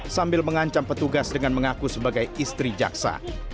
sambil mengancam petugas dengan mengaku sebagai istri jaksa